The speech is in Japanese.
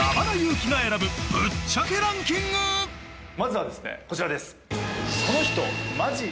まずはですねこちらです。